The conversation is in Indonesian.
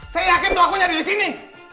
saya yakin pelakunya ada di sini